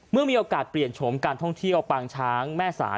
เมื่อมีโอกาสเปลี่ยนโฉมการท่องเที่ยวปางช้างแม่สาย